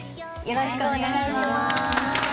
よろしくお願いします。